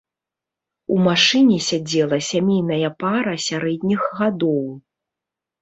У машыне сядзела сямейная пара сярэдніх гадоў.